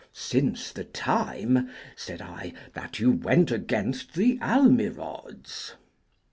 Since the time, said I, that you went against the Almirods.